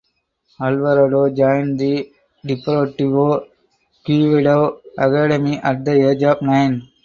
Alvarado joined the Deportivo Quevedo academy at the age of nine.